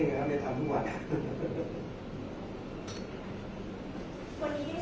แต่ว่าไม่มีปรากฏว่าถ้าเกิดคนให้ยาที่๓๑